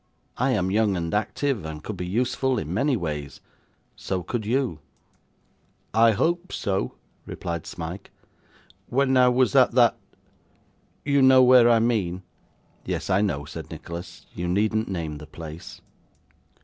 I am young and active, and could be useful in many ways. So could you.' 'I hope so,' replied Smike. 'When I was at that you know where I mean?' 'Yes, I know,' said Nicholas. 'You needn't name the place.